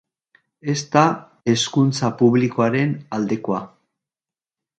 Ez da hezkuntza publikoaren aldekoa.